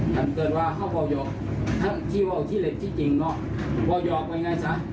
ถ้าเกิดว่าฮับเบาหยอกที่เบาที่เล็กที่จริงเนอะเบาหยอกมันยังไงซะ